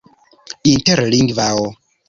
interlingvao